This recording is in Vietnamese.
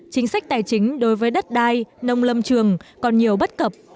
chính sách tài chính đối với đất đai nông lâm trường còn nhiều bất cập